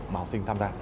mà học sinh tham gia